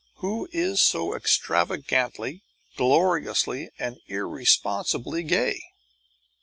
Who is so extravagantly, gloriously, and irresponsibly gay?